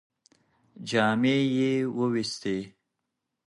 جامې یې ووېستې.